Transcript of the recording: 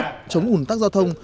các giải pháp chống ủn tắc giao thông